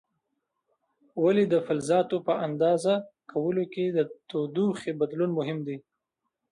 ولې د فلزاتو په اندازه کولو کې د تودوخې بدلون مهم دی؟